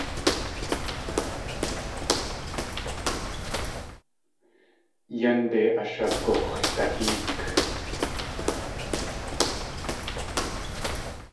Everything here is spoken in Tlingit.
Yánde ashagux̲lahéek.